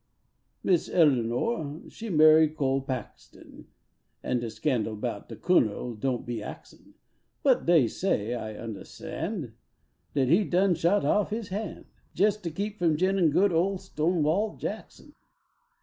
Missie Elenor she married Col Paxton, An de scandal bout de colonel don t be axin , But dey say, I undahstan , Dat he done shot off his han , Jes to keep from jinin good ole Stonewall Jackson.